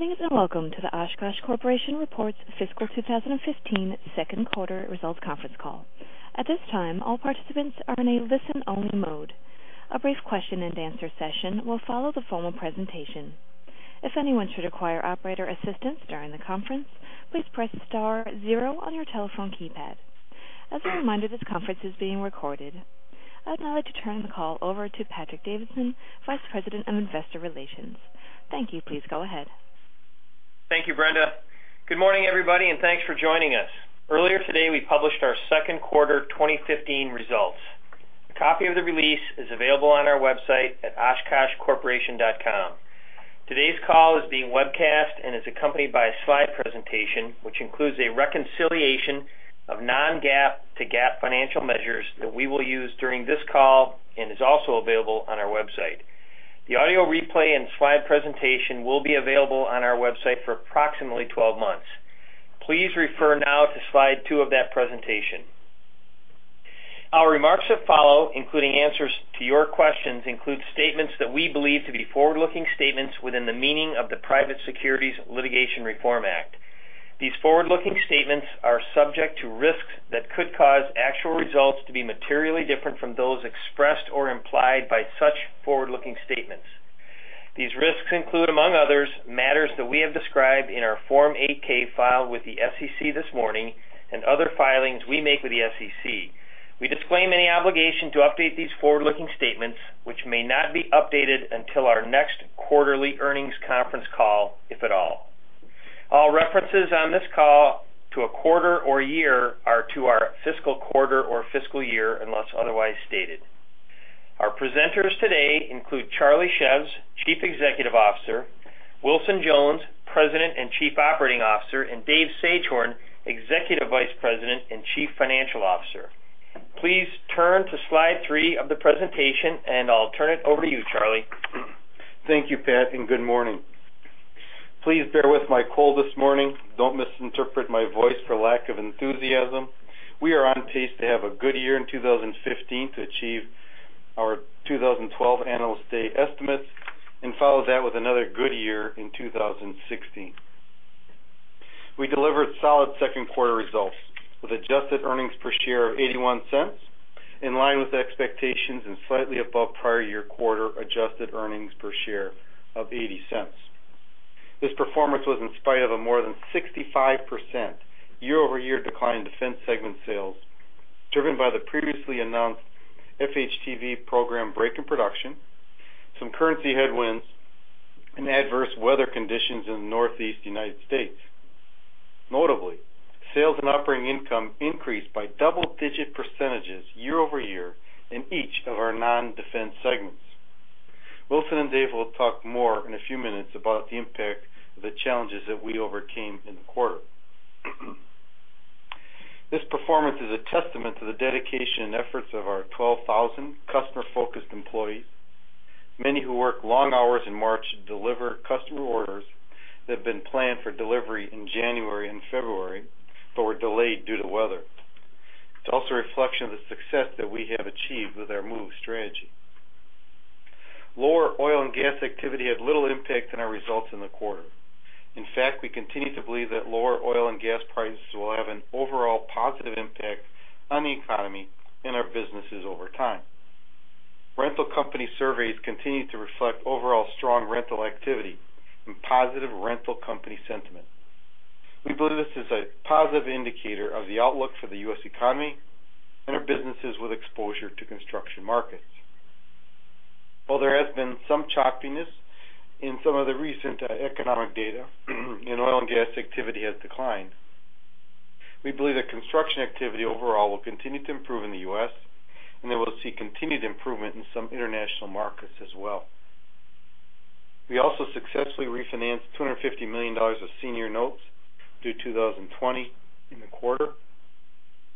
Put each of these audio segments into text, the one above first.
Greetings and welcome to the Oshkosh Corporation Reports Fiscal 2015 Second Quarter Results Conference Call. At this time all participants are in a listen-only mode. A brief Q&A session will follow the formal presentation. If anyone should require operator assistance during the conference, please press Star zero on your telephone keypad. As a reminder, this conference is being recorded. I would now like to turn the call over to Patrick Davidson, Vice President of Investor Relations. Thank you. Please go ahead. Thank you, Brenda. Good morning, everybody, and thanks for joining us. Earlier today we published our Q2 2015 results. A copy of the release is available on our website @ oshkoshcorporation.com. Today's call is being webcast and is accompanied by a slide presentation which includes a reconciliation of non-GAAP to GAAP financial measures that we will use during this call and is also available on our website. The audio replay and slide presentation will be available on our website for approximately 12 months. Please refer now to slide two of that presentation. Our remarks that follow, including answers to your questions, include statements that we believe to be forward-looking statements within the meaning of the Private Securities Litigation Reform Act. These forward-looking statements are subject to risks that could cause actual results to be materially different from those expressed or implied by such forward-looking statements. These risks include, among others, matters that we have described in our Form 8-K filed with the SEC this morning and other filings we make with the SEC. We disclaim any obligation to update these forward-looking statements which may not be updated until our next quarterly earnings conference call, if at all. All references on this call to a quarter or year are to our fiscal quarter or fiscal year unless otherwise stated. Our presenters today include Charlie Szews, Chief Executive Officer, Wilson Jones, President and Chief Operating Officer, and Dave Sagehorn, Executive Vice President and Chief Financial Officer. Please turn to slide three of the presentation and I'll turn it over to you, Charlie Szews. Thank you Patrick Davidson and good morning. Please bear with my cold this morning. Don't misinterpret my voice for lack of enthusiasm. We are on pace to have a good year in 2015 to achieve our 2012 Analyst Day estimates and follow that with another good year in 2016. We delivered solid Q2 results with adjusted earnings per share of $0.81 in line with expectations and slightly above prior-year-quarter adjusted earnings per share of $0.80. This performance was in spite of a more than 65% year-over-year decline in Defense segment sales driven by the previously announced FHTV program break in production, some currency headwinds and adverse weather conditions in the Northeast United States. Notably, sales and operating income increased by double digit percentages year-over-year in each of our non Defense segments. Wilson Jones and Dave Sagehorn will talk more in a few minutes about the impact the challenges that we overcame in the quarter. This performance is a testament to the dedication and efforts of our 12,000 customer-focused employees. Many who work long hours in March deliver customer orders that have been planned for delivery in January and February but were delayed due to weather. It's also a reflection of the success that we have achieved with our MOVE strategy. Lower oil and gas activity had little impact on our results in the quarter. In fact, we continue to believe that lower oil and gas prices will have an overall positive impact on the economy and our businesses over time. Rental company surveys continue to reflect overall strong rental activity and positive rental company sentiment. We believe this is a positive indicator of the outlook for the U.S. economy and our businesses with exposure to construction markets. While there has been some choppiness in some of the recent economic data and oil and gas activity has declined, we believe that construction activity overall will continue to improve in the U.S. and that we'll see continued improvement in some international markets as well. We also successfully refinanced $250 million of senior notes due 2020 in the quarter,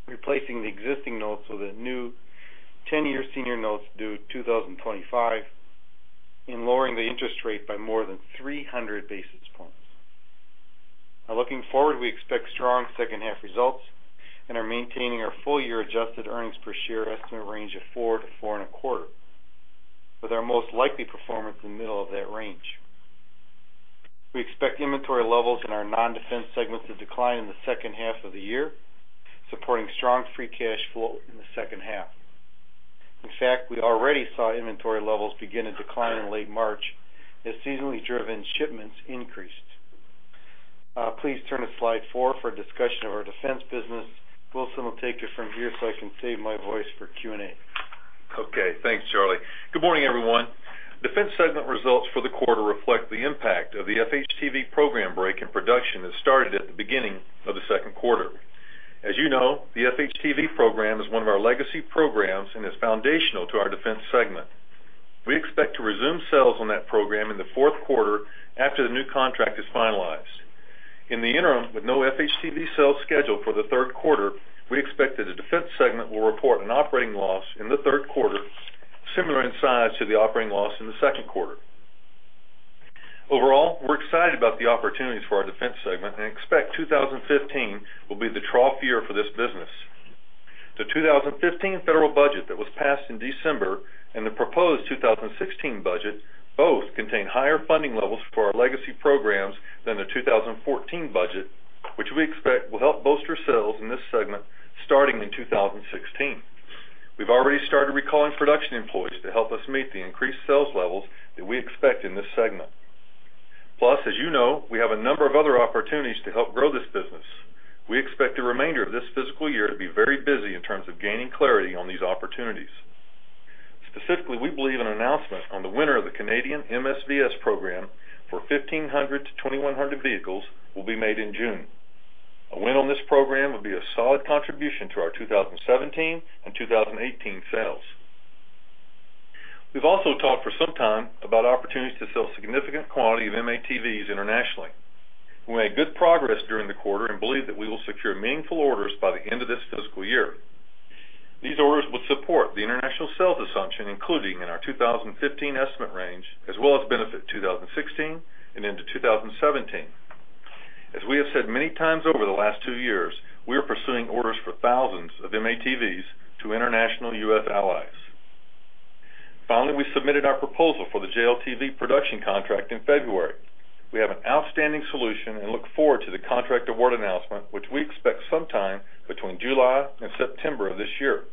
replacing the existing notes with a new 10-year senior notes due 2025 and lowering the interest rate by more than 300 basis points. Now, looking forward, we expect strong second half results and are maintaining our full year adjusted earnings per share estimate range of 4-4.25 with our most likely performance in the middle of that range. We expect inventory levels in our non-Defense segments to decline in the second half of the year, supporting strong free cash flow in the second half. In fact, we already saw inventory levels begin to decline in late March as seasonally driven shipments increased. Please turn to slide four for a discussion of our Defense business. Wilson Jones will take it from here so I can save my voice for Q&A. Okay, thanks Charlie Szews. Good morning everyone. Defense segment results for the quarter reflect the impact of the FHTV program break in production that started at the beginning of the Q2. As you know, the FHTV program is one of our legacy programs and is foundational to our Defense segment. We expect to resume sales on that program in the Q4 after the new contract is finalized. In the interim, with no FHTV sales scheduled for the Q3, we expect that the Defense segment will report an operating loss in the Q3 similar in size to the operating loss in the Q2. Overall, we're excited about the opportunities for our Defense segment and expect 2015 will be the trough year for this business. The 2015 federal budget that was passed in December and the proposed 2016 budget both contain higher funding levels for our legacy programs than the 2014 budget, which we expect will help bolster sales in this segment starting in 2016. We've already started recalling production employees to help us meet the increased sales levels that we expect in this segment. Plus, as you know, we have a number of other opportunities to help grow this business. We expect the remainder of this fiscal year to be very busy in terms of gaining clarity on these opportunities. Specifically, we believe an announcement on the winner of the Canadian MSVS program for 1,500-2,100 vehicles will be made in June. A win on this program would be a solid contribution to our 2017 and 2018 sales. We've also talked for some time about opportunities to sell significant quantity of M-ATVs internationally. We made good progress during the quarter and believe that we will secure meaningful orders by the end of this fiscal year. These orders would support the international sales assumption, including in our 2015 estimate range as well as benefit 2016 and into 2017. As we have said many times over the last two years, we are pursuing orders for thousands of M-ATVs to international U.S. allies. Finally, we submitted our proposal for the JLTV production contract in February. We have an outstanding solution and look forward to the contract award announcement which we expect sometime between July and September of this year.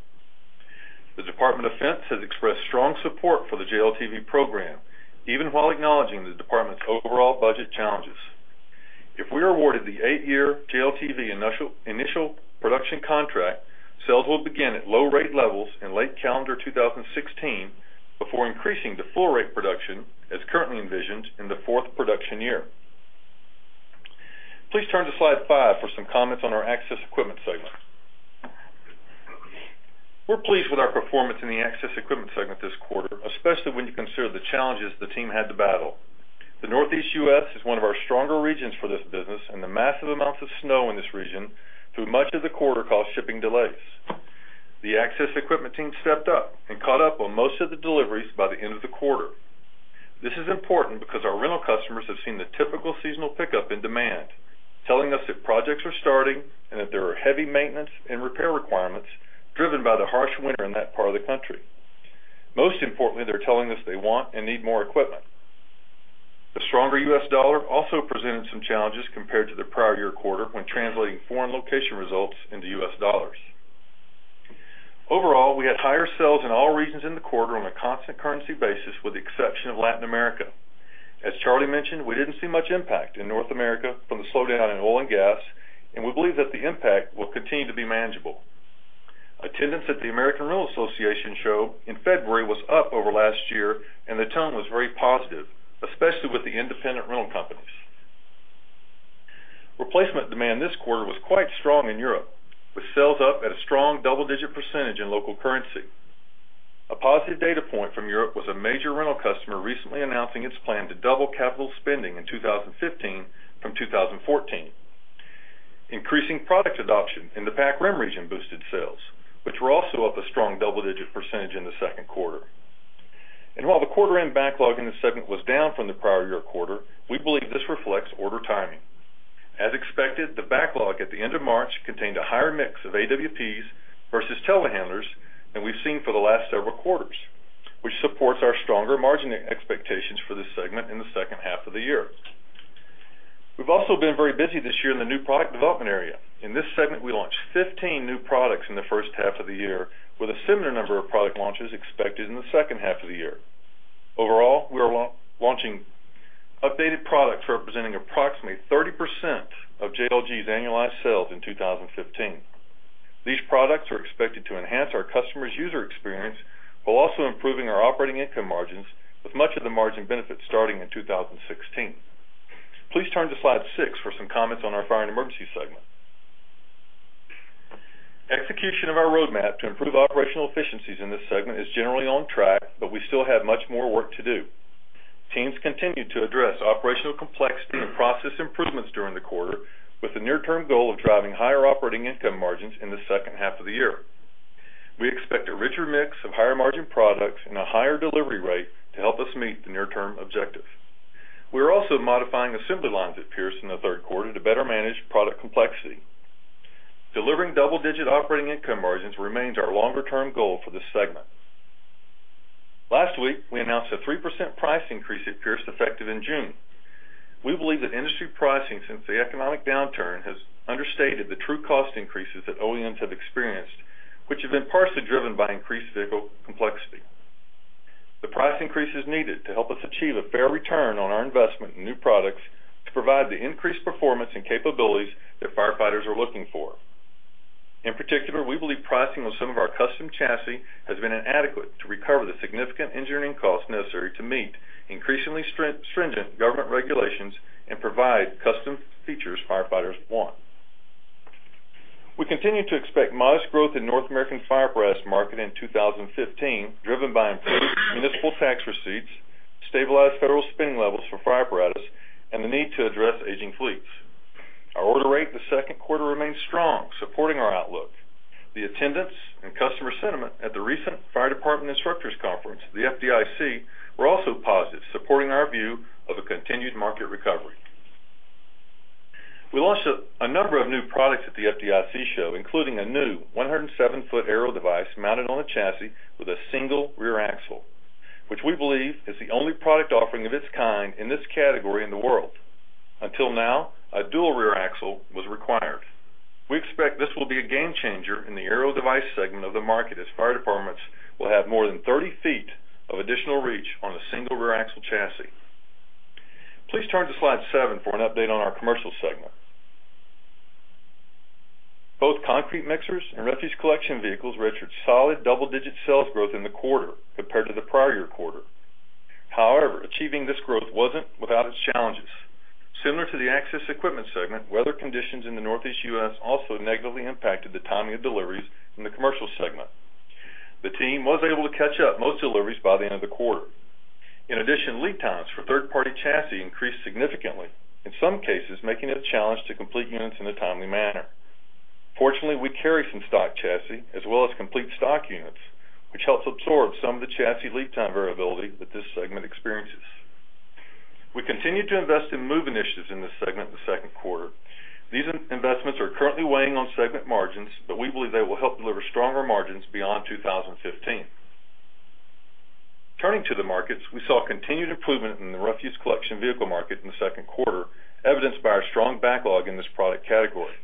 The Department of Defense has expressed strong support for the JLTV program even while acknowledging the Department's overall budget challenges. If we are awarded the eigh -year JLTV initial production contract, sales will begin at low rate levels in late calendar 2016 before increasing the full rate production as currently envisioned in the fourth production year. Please turn to slide five for some comments on our Access Equipment segment. We're pleased with our performance in the Access Equipment segment this quarter, especially when you consider the challenges the team had to battle. The Northeast U.S. is one of our stronger regions for this business and the massive amounts of snow in this region through much of the quarter caused shipping delays. The Access Equipment team stepped up and caught up on most of the deliveries by the end of the quarter. This is important because our rental customers have seen the typical seasonal pickup in demand, telling us that projects are starting and that there are heavy maintenance and repair requirements driven by the harsh winter in that part of the country. Most importantly, they're telling us they want and need more equipment. The stronger U.S. dollar also presented some challenges compared to the prior-year-quarter when translating foreign location results into U.S. dollars. Overall, we had higher sales in all regions in the quarter on a constant currency basis with the exception of Latin America. As Charlie Szews mentioned, we didn't see much impact in North America from the slowdown in oil and gas and we believe that the impact will continue to be manageable. Attendance at the American Rental Association show in February was up over last year and the tone was very positive, especially with the Independent Rental Companies. Replacement demand this quarter was quite strong in Europe with sales up at a strong double-digit percentage in local currency. A positive data point from Europe was a major rental customer recently announcing its plan to double capital spending in 2015 from 2014. Increasing product adoption in the Pac Rim region boosted sales which were also up a strong double-digit percentage in the Q2. While the quarter-end backlog in the segment was down from the prior-year-quarter, we believe this reflects order timing. As expected, the backlog at the end of March contained a higher mix of AWPs versus telehandlers that we've seen for the last several quarters, which supports our stronger margin expectations for this segment in the second half of the year. We've also been very busy this year in the new product development area in this segment. We launched 15 new products in the first half of the year with a similar number of product launches expected in the second half of the year. Overall, we are launching updated products representing approximately 30% of JLG's annualized sales in 2015. These products are expected to enhance our customers' user experience while also improving our operating income margins with much of the margin benefit starting in 2016. Please turn to Slide six for some comments on our Fire & Emergency segment. Execution of our roadmap to improve operational efficiencies in this segment is generally on track, but we still have much more work to do. Teams continued to address operational complexity and process improvements during the quarter with the near term goal of driving higher operating income margins in the second half of the year. We expect a richer mix of higher margin products and a higher delivery rate to help us meet the near term objective. We are also modifying assembly lines at Pierce in the Q3 to better manage product complexity. Delivering double digit operating income margins remains our longer term goal for this segment. Last week we announced a 3% price increase at Pierce effective in June. We believe that industry pricing since the economic downturn has understated the true cost increases that OEMs have experienced, which have been partially driven by increased vehicle complexity. The price increase is needed to help us achieve a fair return on our investment in new products to provide the increased performance and capabilities that firefighters are looking for. In particular, we believe pricing on some of our custom chassis has been inadequate to recover the significant engineering costs necessary to meet increasingly stringent government regulations and provide custom features firefighters want. We continue to expect modest growth in North American fire apparatus market in 2015, driven by improved municipal tax receipts, stabilized federal spending levels for fire apparatus and the need to address aging fleets. Our order rate the Q2 remains strong, supporting our outlook. The attendance and customer sentiment at the recent Fire Department Instructors Conference the FDIC were also positive, supporting our view of a continued market recovery. We launched a number of new products at the FDIC show, including a new 107 ft Aero device mounted on a chassis with a single rear axle, which we believe is the only product offering of its kind in this category in the world. Until now, a dual rear axle was required. We expect this will be a game changer in the Aero device segment of the market as fire departments will have more than 30 ft of additional reach on a single rear axle chassis. Please turn to Slide seven for an update on our Commercial segment. Both concrete mixers and refuse collection vehicles registered solid double-digit sales growth in the quarter compared to the prior-year-quarter. However, achieving this growth wasn't without its challenges. Similar to the Access equipment segment, weather conditions in the Northeast U.S. Also negatively impacted the timing of deliveries and in the commercial segment the team was able to catch up most deliveries by the end of the quarter. In addition, lead times for third party chassis increased significantly, in some cases making it a challenge to complete units in a timely manner. Fortunately, we carry some stock chassis as well as complete stock units which helps absorb some of the chassis lead time variability that this segment experiences. We continue to invest in MOVE initiatives in this segment in the Q2. These investments are currently weighing on segment margins, but we believe they will help deliver stronger margins beyond 2015. Turning to the markets, we saw continued improvement in the refuse collection vehicle market in the Q2 evidenced by our strong backlog in this product category.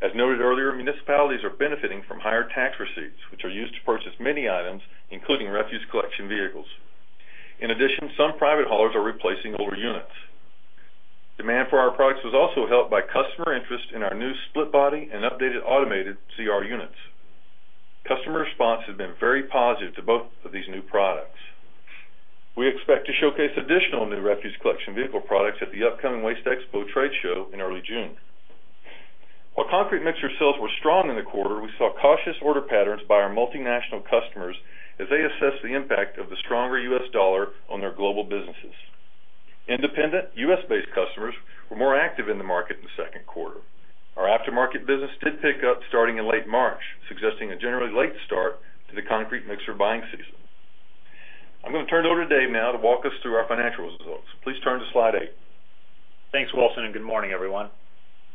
As noted earlier, municipalities are benefiting from higher tax receipts which are used to purchase many items including refuse collection vehicles. In addition, some private haulers are replacing older units. Demand for our products was also helped by customer interest in our new split body and updated automated ZR units. Customer response has been very positive to both of these new products. We expect to showcase additional new refuse collection vehicle products at the upcoming Waste Expo trade show in early June. While concrete mixer sales were strong in the quarter, we saw cautious order patterns by our multinational customers as they assess the impact of the stronger U.S. dollar on their global businesses. Independent U.S.-based customers were more active in the market in the Q2. Our aftermarket business did pick up starting in late March, suggesting a generally late start to the concrete mixer buying season. I'm going to turn it over to Dave Sagehorn now to walk us through our financial results. Please turn to Slide eight. Thanks, Wilson Jones, and good morning, everyone.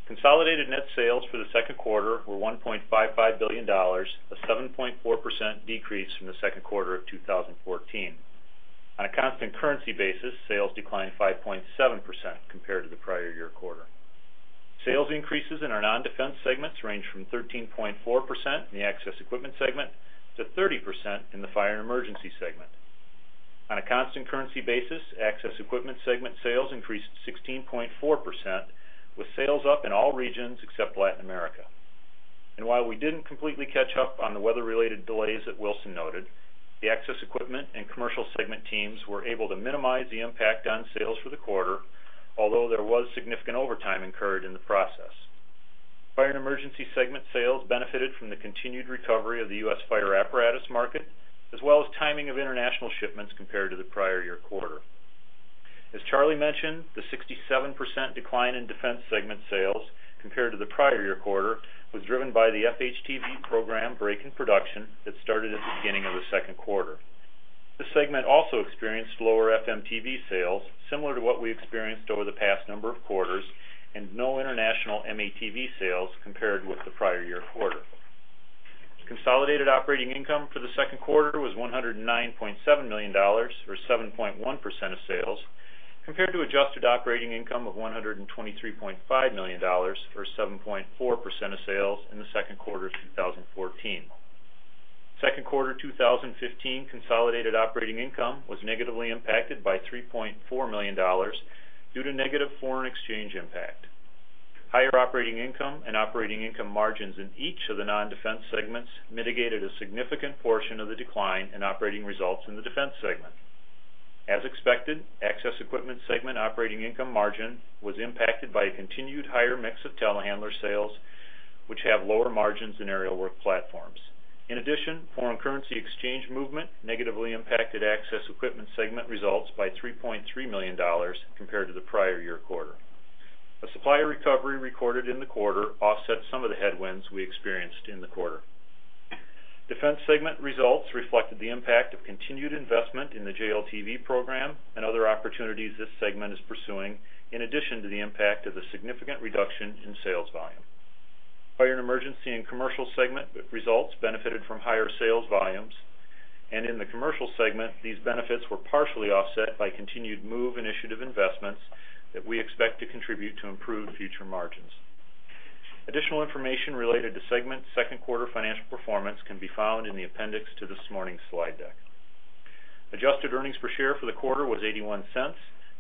Consolidated net sales for the Q2 were $1.55 billion, a 7.4% decrease from the Q2 of 2014. On a constant currency basis, sales declined 5.7% compared to the prior-year-quarter. Sales increases in our non-Defense segments range from 13.4% in the access equipment segment to 30% in the Fire & Emergency segment. On a constant currency basis, access equipment segment sales increased 16.4% with sales up in all regions except Latin America. And while we didn't completely catch up on the weather-related delays that Wilson Jones noted, the access equipment and commercial segment teams were able to minimize the impact on sales for the quarter. Although there was significant overtime incurred in the process. Fire & Emergency segment sales benefited from the continued recovery of the U.S. fire apparatus market as well as timing of international shipments compared to the prior-year-quarter. As Charlie Szews mentioned the 67% decline in Defense segment sales compared to the prior-year-quarter was driven by the FHTV program break in production that started at the beginning of the Q2. This segment also experienced lower FMTV sales similar to what we experienced over the past number of quarters and no international M-ATV sales compared with the prior-year-quarter. Consolidated operating income for the Q2 was $109.7 million or 7.1% of sales compared to adjusted operating income of $123.5 million or 7.4% of sales in Q2 2015. Consolidated operating income was negatively impacted by $3.4 million due to negative foreign exchange impact. Higher operating income and operating income margins in each of the non-Defense segments mitigated a significant portion of the decline in operating results in the Defense segment. As expected, Access equipment segment operating income margin was impacted by a continued higher mix of telehandler sales and which have lower margins than aerial work platforms. In addition, foreign currency exchange movement negatively impacted Access equipment segment results by $3.3 million compared to the prior-year-quarter. A supply recovery recorded in the quarter offset some of the headwinds we experienced in the quarter. Defense segment results reflected the impact of continued investment in the JLTV program and other opportunities this segment is pursuing. In addition to the impact of the significant reduction in sales volume, Fire & Emergency and commercial segment results benefited from higher sales volumes and in the commercial segment, these benefits were partially offset by continued MOVE initiative investments that we expect to contribute to improved future margins. Additional information related to segment Q2 financial performance can be found in the appendix to this morning's slide deck. Adjusted earnings per share for the quarter was $0.81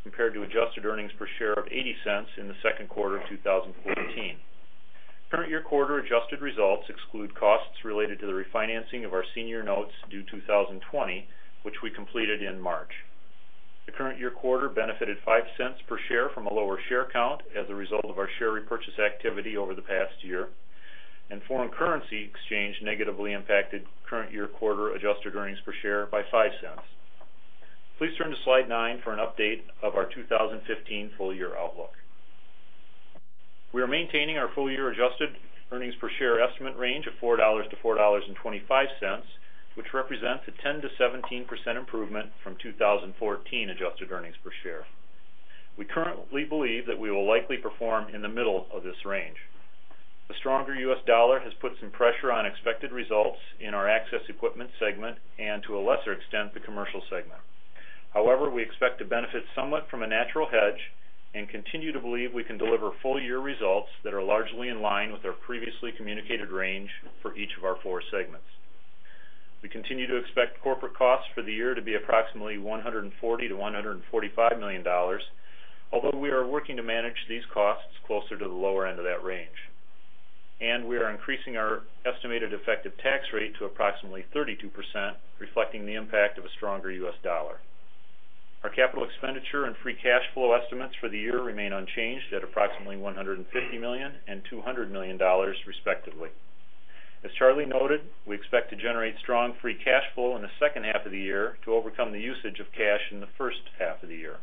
compared to adjusted earnings per share of $0.80 in the Q2 of 2014. Current year quarter adjusted results exclude costs related to the refinancing of our senior notes due 2020, which we completed in March. The current year quarter benefited $0.05 per share from a lower share count as a result of our share repurchase activity over the past year and foreign currency exchange negatively impacted current year quarter adjusted earnings per share by $0.05. Please turn to Slide nine for an update of our 2015 full year outlook. We are maintaining our full year adjusted earnings per share estimate range of $4-$4.25, which represents a 10%-17% improvement from 2014 adjusted earnings per share. We currently believe that we will likely perform in the middle of this range. The stronger U.S. dollar has put some pressure on expected results in our access equipment segment and to a lesser extent the commercial segment. However, we expect to benefit somewhat from a natural hedge and continue to believe we can deliver full year results that are largely in line with our previously communicated range for each of our four segments. We continue to expect corporate costs for the year to be approximately $140 million-$145 million, although we are working to manage these costs closer to the lower end of that range and we are increasing our estimated effective tax rate to approximately 32%, reflecting the impact of a stronger U.S. dollar. Our capital expenditure and free cash flow estimates for the year remain unchanged at approximately $150 million and $200 million respectively. As Charlie Szews noted, we expect to generate strong free cash flow in the second half of the year to overcome the usage of cash in the first half of the year.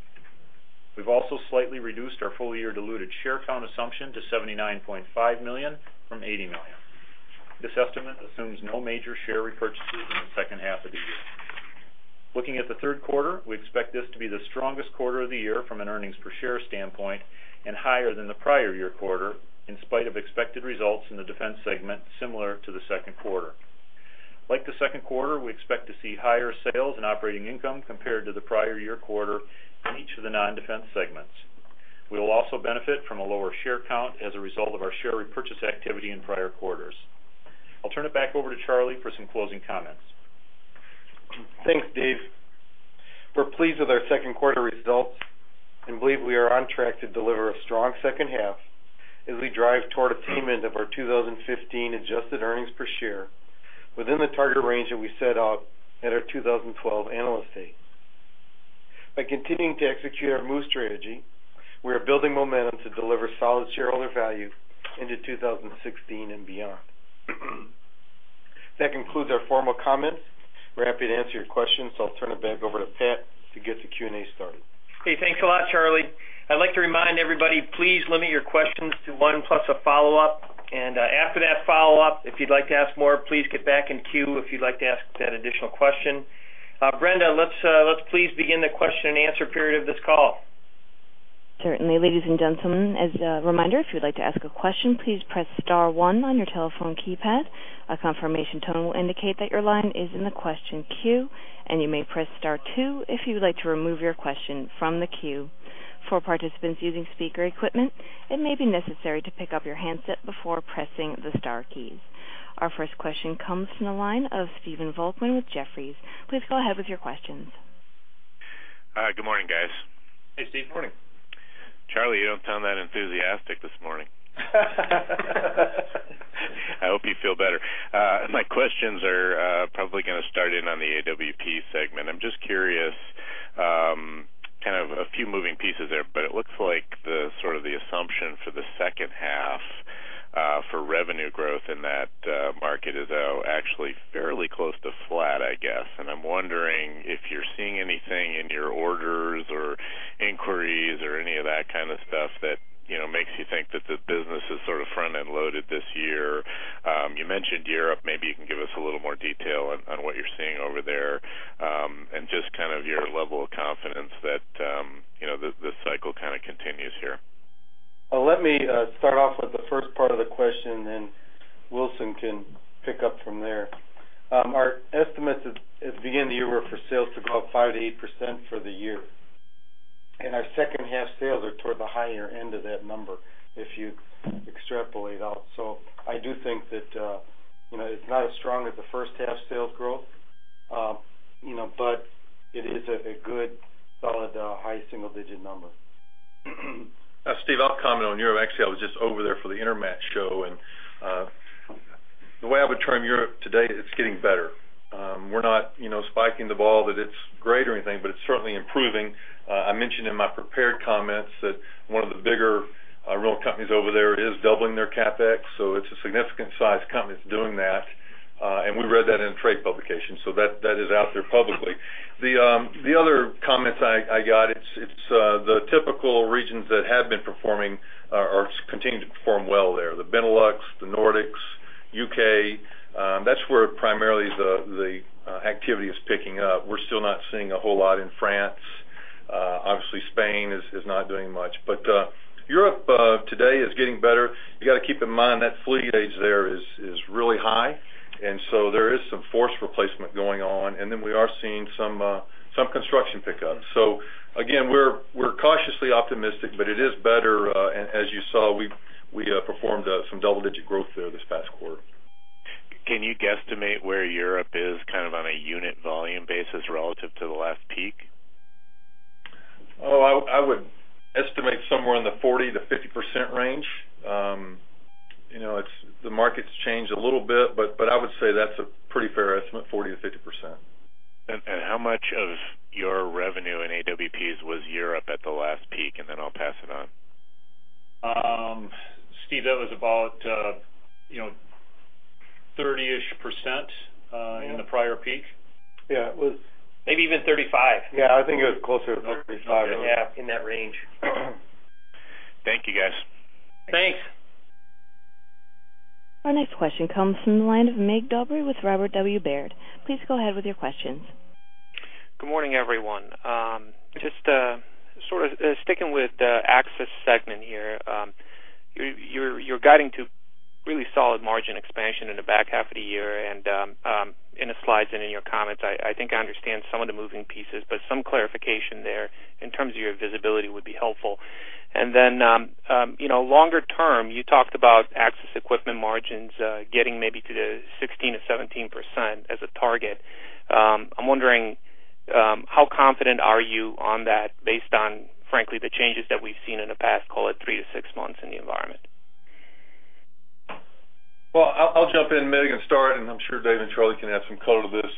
We've also slightly reduced our full year diluted share count assumption to 79.5 million from 80 million. This estimate assumes no major share repurchases in the second half of the year. Looking at the Q3, we expect this to be the strongest quarter of the year from an earnings per share standpoint and higher than the prior-year-quarter in spite of expected results in the Defense segment similar to the Q2. Like the Q2, we expect to see higher sales and operating income compared to the prior-year-quarter in each of the non-Defense segments. We will also benefit from a lower share count as a result of our share repurchase activity in prior quarters. I'll turn it back over to Charlie Szews for some closing comments. Thanks, Dave Sagehorn. We're pleased with our Q2 results and believe we are on track to deliver a strong second half as we drive toward attainment of our 2015 adjusted earnings per share within the target range that we set out at our 2012 analyst day. By continuing to execute our MOVE strategy, we are building momentum to deliver solid shareholder value into 2016 and beyond. That concludes our formal comments. We're happy to answer your questions. So I'll turn it back over to Patrick Davidson to get the Q&A started. Hey, thanks a lot, Charlie Szews. I'd like to remind everybody, please limit your questions to one plus a follow up. And after that follow up, if you'd like to ask more, please get back in queue. If you'd like to ask that additional question. Brenda, let's please begin the question and answer period of this call. Certainly. Ladies and gentlemen, as a reminder, if you'd like to ask a question, please press Star one on your telephone keypad. A confirmation tone will indicate that your line is in the question queue and you may press Star two if you would like to remove your question from the queue. For participants using speaker equipment, it may be necessary to pick up your handset before pressing the star keys. Our first question comes from the line of Stephen Volkmann with Jefferies. Please go ahead with your questions. Good morning, guys. Hey, Stephen Volkmann. Good morning, Charlie Szews. You don't sound that enthusiastic this morning. I hope you feel better. My questions are probably going to start in on the AWP segment. I'm just curious. Kind of a few moving pieces there, but it looks like the sort of the assumption for the second half for revenue growth in that market is actually fairly close to flat, I guess. And I'm wondering if you're seeing anything in your orders or inquiries or any of that kind of stuff that makes you think that the business is sort of front end loaded this year. You mentioned Europe. Maybe you can give us a little more detail on what you're seeing over there and just kind of your level of confidence that the cycle kind of continues here. Let me start off with the first part of the question and Wilson Jones can pick up from there. Our estimates at the beginning of the year were for sales to go up 5%-8% for the year, and our second half sales are toward the higher end of that number if you extrapolate out. So I do think that it's not as strong as the first half sales growth but it is a good solid high-single-digit number. Stephen Volkmann, I'll comment on Europe. Actually, I was just over there for the Intermat show, and the way I would term Europe today, it's getting better. We're not spiking the ball that it's great or anything, but it's certainly improving. I mentioned in my prepared comments that one of the bigger rental companies over there is doubling their capex. So it's a significant sized company that's doing that, and we read that in a trade publication, so that is out there publicly. The other comments I got, it's the typical regions that have been performing are continuing to perform well there. The Benelux, the Nordics, U.K. That's where primarily the activity is picking up. We're still not seeing a whole lot in France. Obviously, Spain is not doing much, but Europe today is getting better. You got to keep in mind that fleet age there is really high, and so there is some force replacement going on, and then we are seeing some construction pickups. So again, we're cautiously optimistic, but it is better, and as you saw, we performed some double-digit growth there this past quarter. Can you guesstimate where Europe is kind of on a unit volume basis relative to the last peak? Oh, I would estimate somewhere in the 40%-50% range. The market's changed a little bit but I would say that's a pretty fair estimate. 40%-50%. How much of your revenue in AWPs was Europe at the last peak? Then I'll pass it on. Stephen Volkmann, that was about 30ish% in the prior peak. Yeah, it was maybe even 35%. Yeah, I think it was closer to 35%. Yeah, in that range. Thank you guys. Thanks. Our next question comes from the line of Mircea Dobre with Robert W. Baird. Please go ahead with your questions. Good morning, everyone. Just sort of sticking with the access segment here. You're guiding to really solid margin expansion in the back half of the year and in the slides and in your comments. I think I understand some of the moving pieces, but some clarification there in terms of your visibility would be helpful. And then, you know, longer term you talked about access equipment margins getting maybe to the 16%-17% as a target. I'm wondering how confident are you on that based on frankly the changes that we've seen in the past, call it three to six months in the environment? Well, I'll jump in, Mircea Dobre, and start. I'm sure Dave Sagehorn and Charlie Szews can add some color to this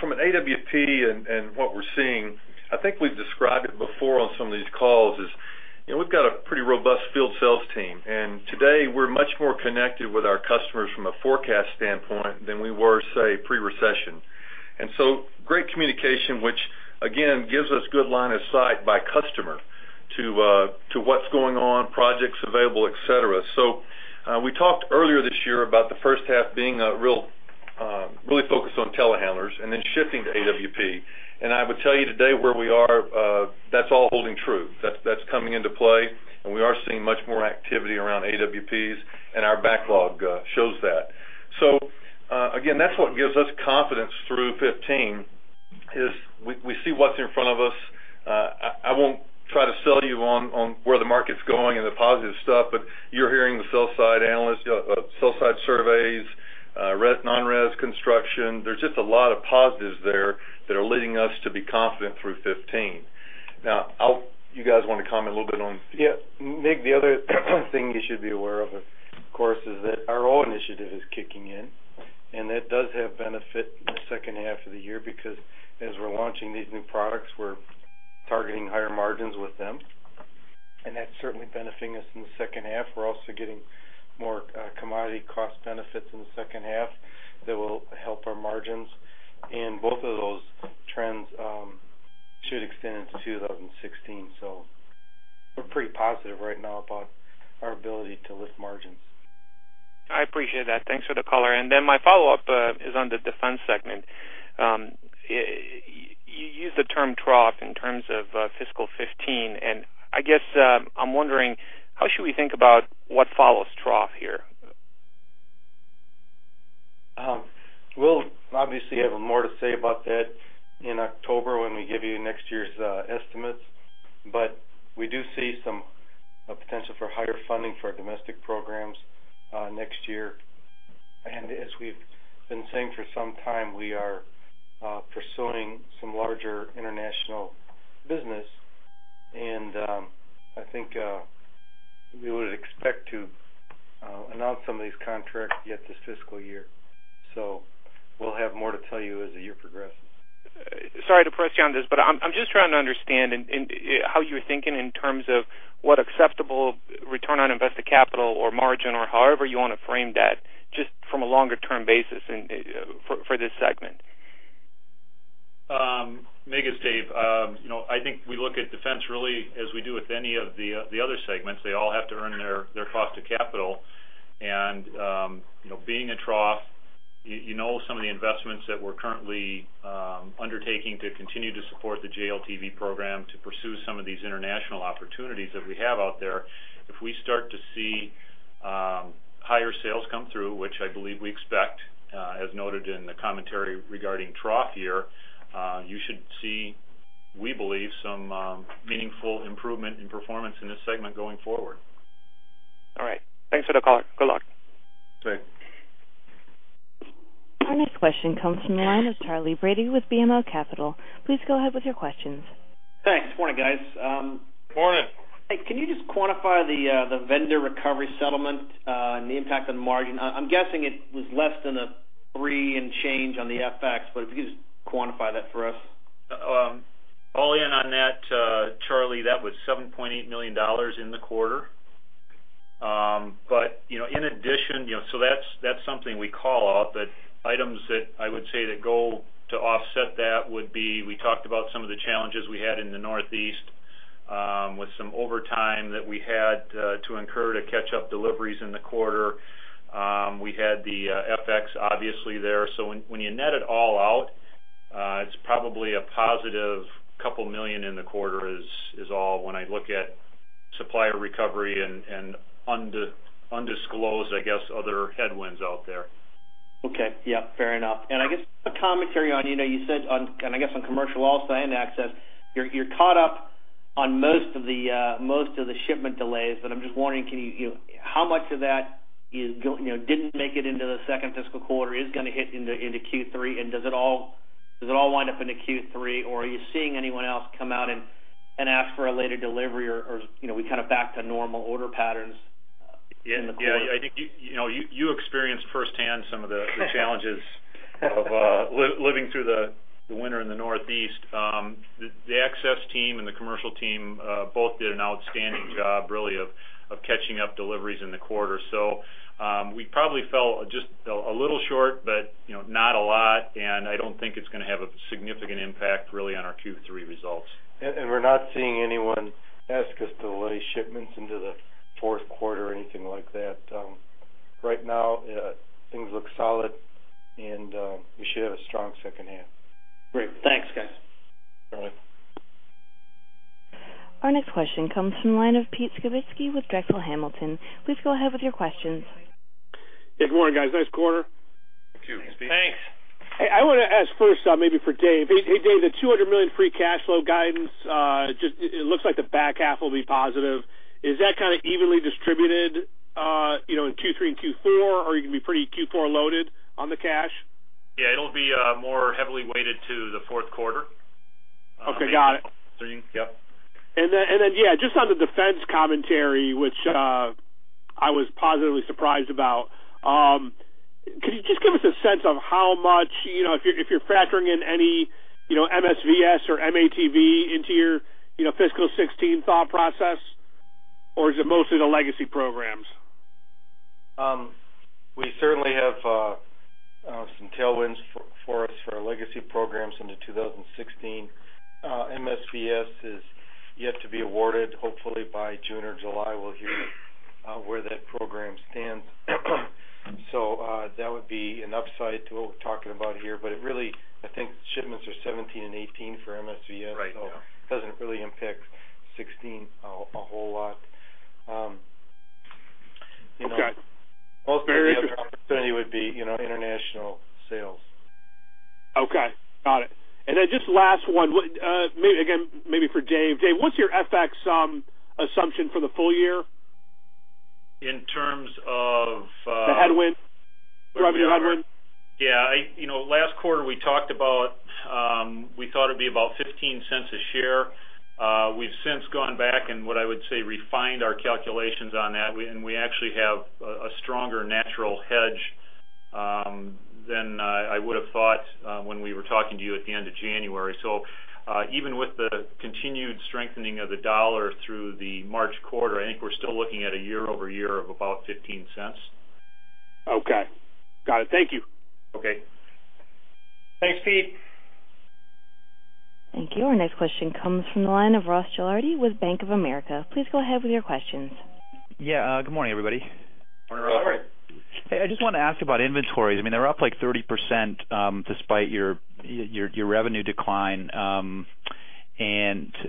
from an AWP. What we're seeing, I think we've described it before on some of these calls, is we've got a pretty robust field sales team and today we're much more connected with our customers from a forecast standpoint than we were, say, pre-recession. Great communication, which again, gives us good line of sight by customer to what's going on, projects available, et cetera. We talked earlier this year about the first half being really focused on telehandlers and then shifting to AWP. I would tell you today where we are, that's all holding true, that's coming into play, and we are seeing much more activity around AWPs, and our backlog shows that. So again, that's what gives us confidence through 2015 is we see what's in front of us. I won't try to sell you on where the market's going and the positive stuff, but you're hearing the sell-side analysts, sell-side surveys, nonresidential construction. There's just a lot of positives there that are leading us to be confident through 2015. Now you guys want to comment a little bit on. Yeah, Mircea Dobre, the other thing you should be aware of, of course, is that our OE initiative is kicking in and that does have benefit in the second half of the year because as we're launching these new products, we're targeting higher margins with them and that's certainly benefiting us in the second half. We're also getting more commodity cost benefits in the second half that will help our margins. Both of those trends should extend into 2016. Pretty positive right now about our ability to lift margins. I appreciate that. Thanks for the color. And then my follow up is on the Defense segment. You used the term trough in terms of fiscal 2015, and I guess I'm wondering how should we think about what follows trough here? We'll obviously have more to say about that in October when we give you next year's estimates. But we do see some potential for higher funding for our domestic programs next year. And as we've been saying for some time, we are pursuing some larger international business and I think we would expect to announce some of these contracts yet this fiscal year. So we'll have more to tell you as the year progresses. Sorry to press you on this, but I'm just trying to understand how you're thinking in terms of what acceptable return on invested capital or margin or however you want to frame that just from a longer term basis for this segment. Mircea Dobre, it's Dave Sagehorn. I think we look at Defense really as we do with any of the other segments. They all have to earn their cost of capital and being a trough, you know, some of the investments that we're currently undertaking to continue to support the JLTV program to pursue some of these international opportunities that we have out there. If we start to see higher sales come through, which I believe we expect, as noted in the commentary regarding trough year, you should see, we believe some meaningful improvement in performance in this segment going forward. All right, thanks for the caller. Good luck. Thanks. Our next question comes from the line of Charles Brady with BMO Capital. Please go ahead with your questions. Thanks. Morning, guys. Good morning. Can you just quantify the vendor recovery settlement and the impact on margin? I'm guessing it was less than a $3 millon and change on the FX, but if you could just quantify that for us? All in on that, Charles Brady. That was $7.8 million in the quarter, but in addition. So that's something we call out, but items that I would say that go to offset that would be. We talked about some of the challenges we had in the Northeast with some overtime that we had to incur to catch up deliveries in the quarter. We had the FX obviously there. So when you net it all out, it's probably a positive $2 million in the quarter is all. When I look at supplier recovery and undisclosed, I guess other headwinds out there. Okay. Yes, fair enough. And I guess a commentary on, you know, you said, and I guess on commercial also and access, you're caught up on most of the shipment delays. But I'm just wondering, can you how much of that didn't make it into the second fiscal quarter is going to hit into Q3 and does it all, does it all wind up into Q3 or are you seeing anyone else come out and, and ask for a later delivery or are we kind of back to normal order patterns in the quarter? Yeah, I think you experienced firsthand some of the challenges of living through the winter in the Northeast. The Access team and the commercial team both did an outstanding job really of catching up deliveries in the quarter. So we probably fell just a little short, but not a lot. And I don't think it's going to have a significant impact really on our Q3 results. We're not seeing anyone ask us to delay shipments into the Q4 or anything like that right now. Things look solid and we should have a strong second half. Great. Thanks guys. Our next question comes from the line of Pete Skibitski with Drexel Hamilton. Please go ahead with your questions. Good morning, guys. Nice quarter. Thanks. I want to ask first, maybe for Dave Sagehorn. Hey, Dave Sagehorn. The $200 million free cash flow guidance, it looks like the back half will be positive. Is that kind of evenly distributed, you know, in Q3 and Q4? Are you going to be pretty Q4 loaded on the cash? Yeah, it'll be more heavily weighted to the Q4. Okay, got it. And then, yeah, just on the Defense commentary, which I was positively surprised about, could you just give us a sense of how much if you're factoring in any MSVS or M-ATV into your fiscal 2016 thought process, or is it mostly the legacy programs? We certainly have some tailwinds for us for our legacy programs into 2016. MSVS is yet to be awarded. Hopefully by June or July we'll hear where that program stands. So that would be an upside to what we're talking about here. But it really, I think shipments are 2017 and 2018 for MSVS, so it doesn't really impact 2016 a whole lot of opportunity would be international sales. Okay, got it. And then just last one again, maybe for Dave Sagehorn. Dave Sagehorn, what's your FX assumption for the. Full year in terms of the headwind? Revenue? Headwind? Yeah, last quarter we talked about; we thought it would be about $0.15 a share. We've since gone back and what I would say refined our calculations on that, and we actually have a stronger natural hedge than I would have thought when we were talking to you at the end of January. So even with the continued strengthening of the dollar through the March quarter, I think we're still looking at a year-over-year of about $0.15. Okay, got it. Thank you. Okay, thanks, Pete Skibitski. Thank you. Our next question comes from the line of Ross Gilardi with Bank of America. Please go ahead with your questions. Yeah, good morning, everybody. Hey, I just want to ask about inventories. I mean, they're up like 30% despite your, your revenue decline. And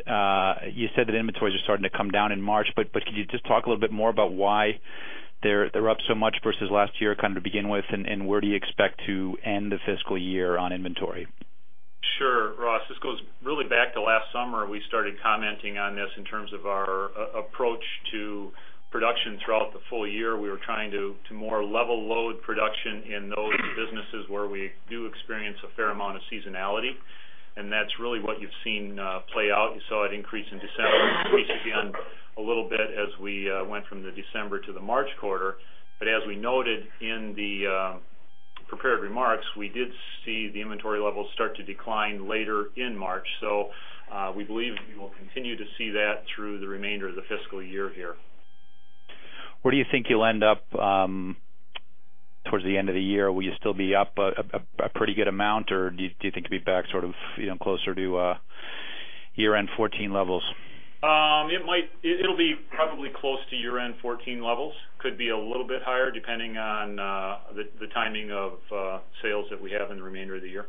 you said that inventories are starting to come down in March, but could you just talk a little bit more about why they're up so much versus last year kind of to begin with. And where do you expect to end the fiscal year on inventory? Sure. Ross Gilardi. This goes really back to last summer. We started commenting on this in terms of our approach to production throughout the full year. We were trying to more level load production in those businesses where we do experience a fair amount of seasonality. And that's really what you've seen play out. You saw it increase in December a little bit as we went from the December to the March quarter. But as we noted in the prepared remarks, we did see the inventory levels start to decline later in March. So we believe we will continue to see that through the remainder of the fiscal year here. Where do you think you'll end up towards the end of the year? Will you still be up a pretty. Good amount or do you think you'll be back sort of closer to year-end 2014 levels? It might. It'll be probably close to year-end 2014 levels, could be a little bit higher depending on the timing of sales that we have in the remainder of the year.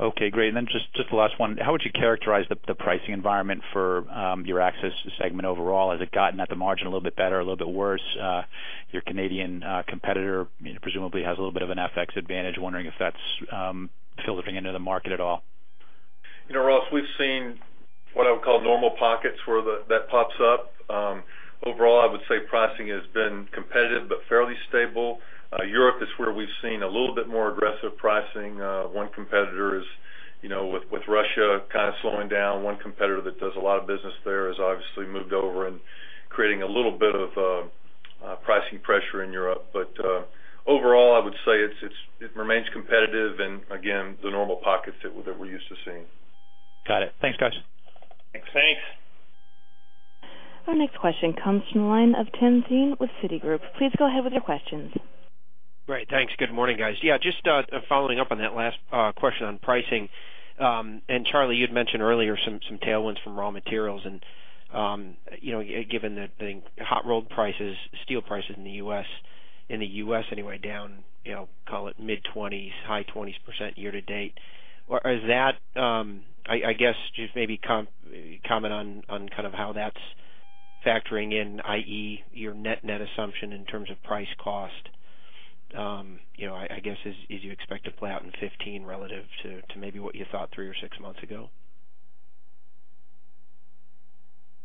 Okay, great. And then just the last one. How would you characterize the pricing environment for your access segment overall? Has it gotten at the margin a little bit better, a little bit worse? Your Canadian competitor presumably has a little bit of an FX advantage. Wondering if that's filtering into the market at all. Ross Gilardi, we've seen what I would call normal pockets where that pops up. Overall, I would say pricing has been competitive but fairly stable. Europe is where we've seen a little bit more aggressive pricing. One competitor is with Russia kind of slowing down. One competitor that does a lot of business there has obviously moved over and creating a little bit of pricing pressure in Europe. But overall I would say it remains competitive and again, the normal pockets that we're used to seeing. Got it. Thanks guys. Thanks. Our next question comes from the line of Timothy Thein with Citigroup. Please go ahead with your questions. Great, thanks. Good morning, guys. Yeah, just following up on that last question on pricing. Charlie Szews, you had mentioned earlier some tailwinds from raw materials, you know, given the hot rolled prices, steel prices in the U.S., in the U.S. anyway down, call it mid-20s%, high 20s% year-to-date. Is that, I guess, just maybe comment on kind of how that's factoring in? That is your net-net assumption in terms of price cost, I guess, as you expect to play out in 2015 relative to maybe what you thought three or six months ago.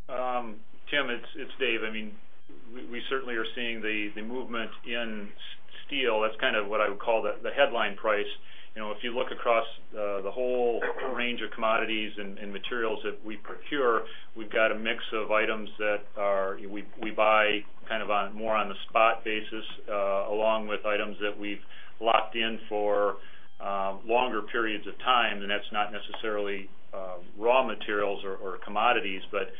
Timothy Thein, it's Dave Sagehorn. I mean we certainly are seeing the movement in steel. That's kind of what I would call the headline price. If you look across the whole range of commodities and materials that we procure, we've got a mix of items that are we buy kind of more on the spot basis along with items that we've locked in for longer periods of time. And that's not necessarily raw materials or commodities, but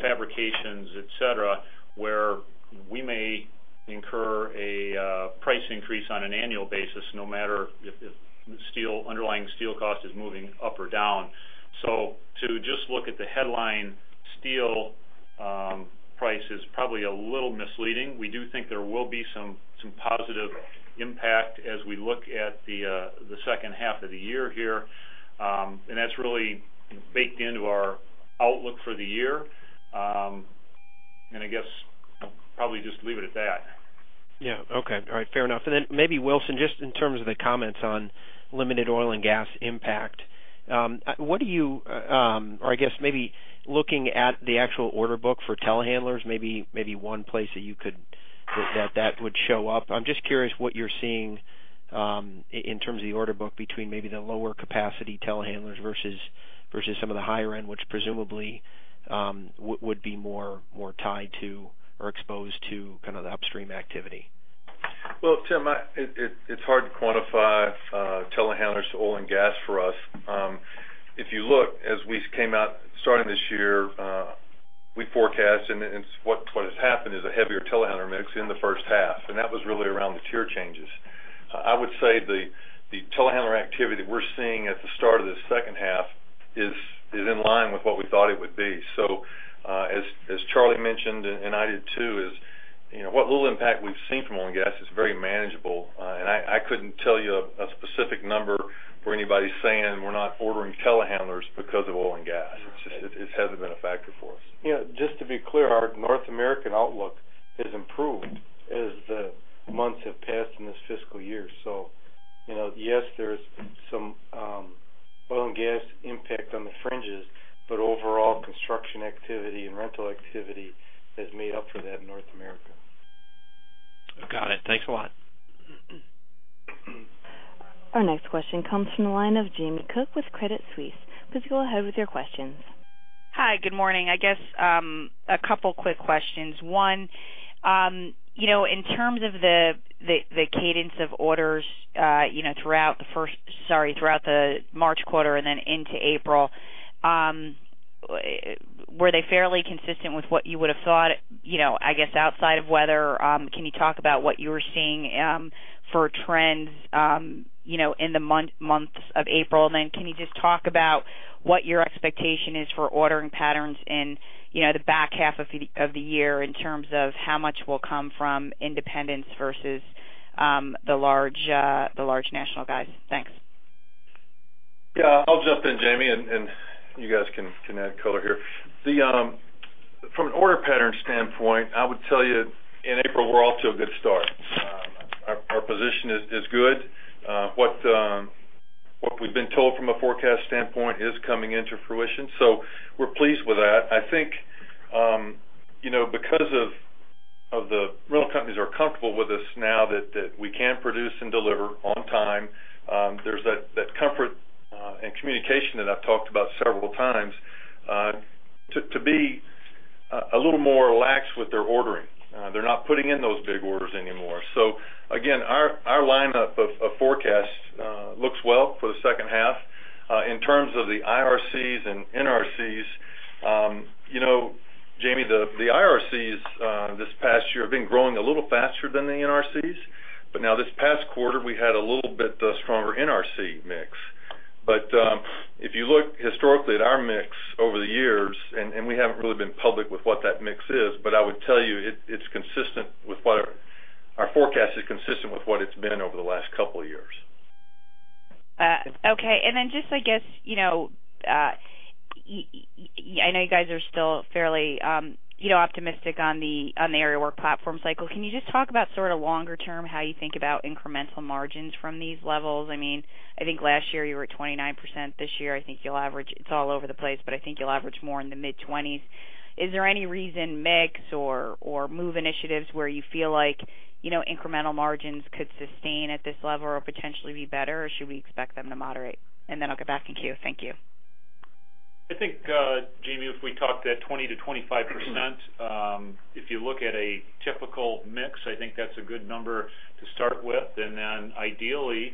fabrications, et cetera, where we may incur a price increase on an annual basis no matter if steel underlying steel cost is moving up or down. So to just look at the headline steel price is probably a little misleading. We do think there will be some positive impact as we look at the second half of the year here. That's really baked into our outlook for the year, and I guess probably just leave it at that. Yeah. Okay. All right, fair enough. And then maybe, Wilson Jones, just in terms of the comments on limited oil and gas impact, what do you. Or I guess maybe looking at the actual order book for telehandlers, maybe one place that you could that that would show up. I'm just curious what you're seeing in terms of the order book between maybe the lower capacity telehandlers versus some of the higher end, which presumably would be more tied to or exposed to kind of the upstream activity. Well, Timothy Thein, it's hard to quantify telehandlers to oil and gas for us. If you look as we came out starting this year, we forecast and what has happened is a heavier telehandler mix in the first half and that was really around the tier changes. I would say the telehandler activity that we're seeing at the start of the second half is in line with what we thought it would be. So as Charlie Szews mentioned, and I did too, is, you know, what little impact we've seen from oil and gas is very manageable. And I couldn't tell you a specific number for anybody saying we're not ordering telehandlers because of oil and gas. It hasn't been a factor for us. Just to be clear, our North American outlook has improved as the months have passed in this fiscal year. So yes, there's some oil and gas impact on the fringes, but overall construction activity and rental activity has made up for that in North America. Got it. Thanks a lot. Our next question comes from the line of Jamie Cook with Credit Suisse. Please go ahead with your questions. Hi, good morning. I guess a couple quick questions. One, you know, in terms of the cadence of orders throughout the March quarter and then into April, were they fairly consistent with what you would have thought? You know, I guess outside of weather, can you talk about what you were seeing for trends in the months of April and then can you just talk about what your expectation is for ordering patterns in the back half of the year in terms of how much will come from independents versus the large national. Guys, thanks. Yeah, I'll jump in, Jamie Cook, and you guys can add color here. From an order pattern standpoint, I would tell you in April we're off to a good start. Our position is good. What we've been told from a forecast standpoint is coming into fruition. So we're pleased with that. I think because of the rental companies are comfortable with us now that we can produce and deliver on time. There's that comfort and communication that I've talked about several times to be a little more lax with their ordering. They're not putting in those big orders anymore. So again, our lineup of forecasts looks well for the second half in terms of the IRCs and NRCs. You know, Jamie Cook, the IRCs this past year have been growing a little faster than the NRCs. But now this past quarter, we had a little bit stronger NRC mix. But if you look historically at our mix over the years, and we haven't really been public with what that mix is, but I would tell you it. It's consistent with what our forecast is, consistent with what it's been over the last couple years. Okay. And then just, I guess, I know you guys are still fairly optimistic on the aerial work platform cycle. Can you just talk about sort of longer term, how you think about incremental margins from these levels? I mean, I think last year you were at 29%. This year I think you'll average. It's all over the place, but I think you'll average more in the mid-20%. Is there any reason mix or MOVE initiatives where you feel like incremental margins could sustain at this level or potentially be better, or should we expect them to moderate? And then I'll get back in queue. Thank you. I think, Jamie Cook, if we talked at 20%-25%, if you look at a typical mix, I think that's a good number to start with. And then ideally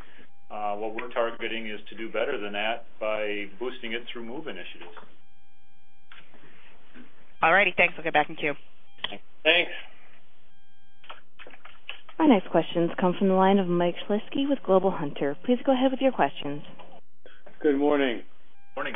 what we're targeting is to do better than that by boosting it through MOVE initiatives. All right, thanks. I'll get back in queue. Thanks. Our next questions come from the line of Mike Shlisky with Global Hunter. Please go ahead with your questions. Good morning. Morning.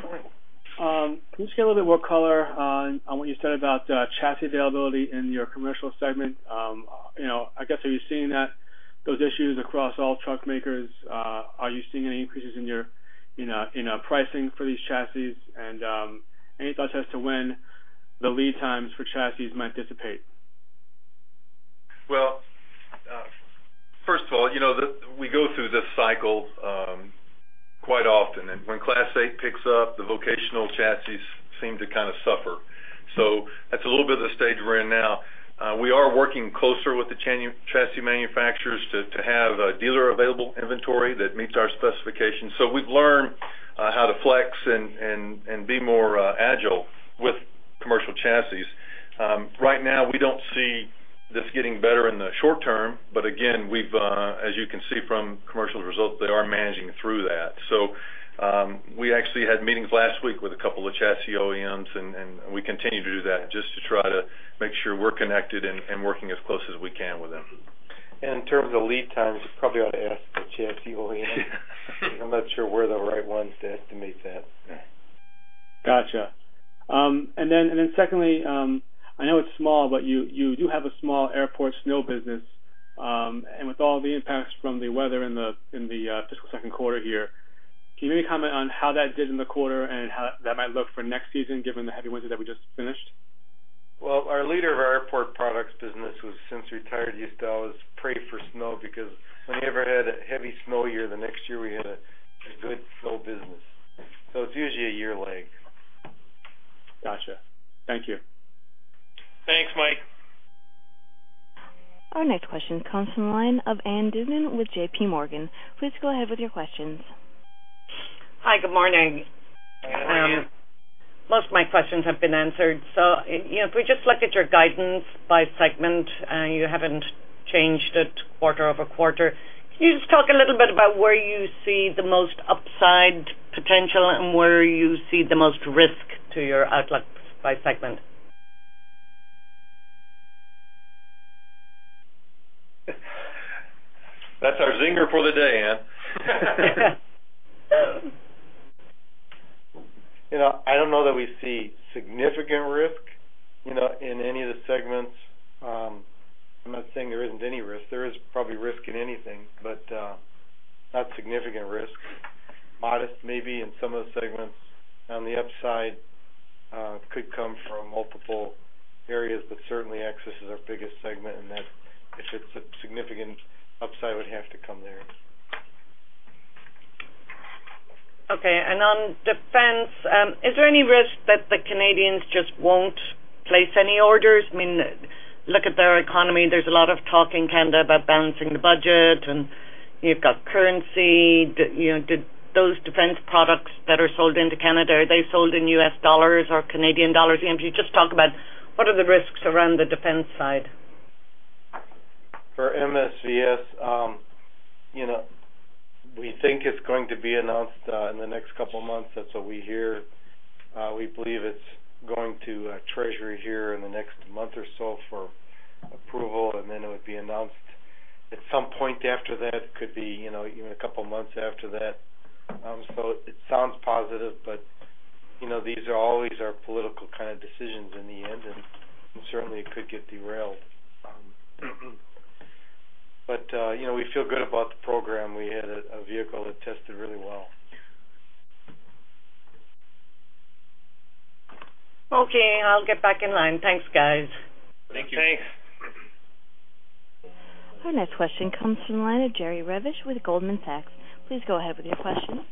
Can you just get a little bit more color on what you said about chassis availability in your commercial segment? I guess. Are you seeing those issues across all truck makers? Are you seeing any increases in your pricing for these chassis and any thoughts as to when the lead times for chassis might dissipate? Well, first of all, you know, we go through this cycle quite often, and when Class 8 picks up, the vocational chassis seem to kind of suffer. So that's a little bit of the stage we're in now. We are working closer with the chassis manufacturers to have dealer available inventory that meets our specifications. So we've learned how to flex and be more agile with commercial chassis. Right now we don't see this getting better in the short term, but again, as you can see from commercial results, they are managing through that. So we actually had meetings last week with a couple of chassis OEMs and we continue to do that just to try to make sure we're connected and working as close as we can with them. In terms of lead times, you probably ought to ask the chassis OEM. I'm not sure we're the right ones to estimate that. Gotcha. And then secondly, I know it's small, but you do have a small airport snow business and with all the impacts from the weather in the fiscal Q2 here, can you maybe comment on how that did in the quarter and how that might look for next season given the heavy winter that we just finished? Well, our leader of our airport products business has since retired, used to always pray for snow because whenever you had a heavy snow year, the next year we had a good snow business. So it's usually a year lag. Gotcha. Thank you. Thanks, Mike Shlisky. Our next question comes from the line of Ann Duignan with JPMorgan. Please go ahead with your questions. Hi, good morning. Most of my questions have been answered. If we just look at your guidance by segment, you haven't changed it quarter-over-quarter. Can you just talk a little bit about where you see the most upside potential and where you see the most risk to your outlook by segment? That's our zinger for the day. Ann Duignan. I don't know that we see significant risk in any of the segments. I'm not saying there isn't any risk. There is probably risk in anything, but not significant risk. Modest, maybe, in some of the segments on the upside could come from multiple areas, but certainly Access is our biggest segment, and that if it's a significant upside would have to come there. Okay. On Defense, is there any risk that the Canadians just won't place any orders? I mean, look at their economy. There's a lot of talk in Canada about balancing the budget. And you've got currency. You know those Defense products that are sold into Canada, are they sold in U.S. dollars or Canadian dollars? You just talk about what are the risks around the Defense side. For MSVS. You know, we think it's going to be announced in the next couple months. That's what we hear. We believe it's going to Treasury here in the next month or so for approval and then it would be announced at some point after that, could be, you know, even a couple months after that. So it sounds positive. But you know, these are always our political kind of decisions, decisions in the end and certainly it could get derailed. But, you know, we feel good about the program. We had a vehicle that tested really well. Okay, I'll get back in line. Thanks, guys. Thank you. Our next question comes from the line of Jerry Revich with Goldman Sachs. Please go ahead with your question.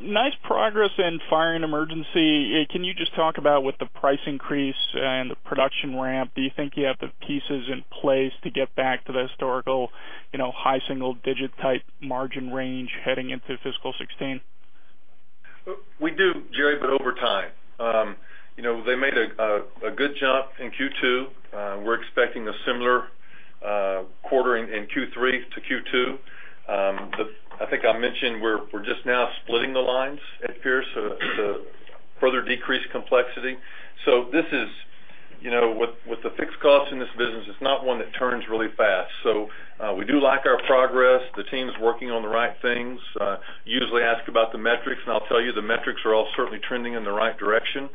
Nice progress in Fire & Emergency. Can you just talk about what the price increase and the production ramp? Do you think you have the pieces in place to get back to the historical high single digit type margin range heading into Fiscal 2016? We do, Jerry Revich, but over time they made a good jump in Q2. We're expecting a similar quarter in Q3-Q2. I think I mentioned we're just now splitting the lines at Pierce to further decrease complexity. So this is with the fixed cost in this business. It's not one that turns really fast. So we do like our progress. The team's working on the right things. Usually ask about the metrics and I'll tell you, the metrics are all certainly trending in the right direction.